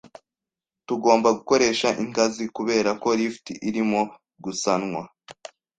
Tugomba gukoresha ingazi, kubera ko lift irimo gusanwa.